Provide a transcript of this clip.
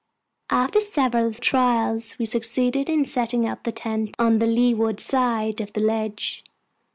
After several trials, we succeeded in setting up the tent on the leeward side of the ledge.